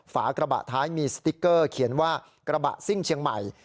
ฝากระบะท้ายมีสติ๊กเกอร์เขียนว่ากระบะซิ่งเชียงใหม่